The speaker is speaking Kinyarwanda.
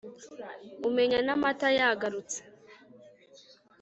Umenya n’amata yagarutse.